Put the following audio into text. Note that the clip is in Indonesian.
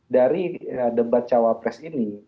dari debat cawapres ini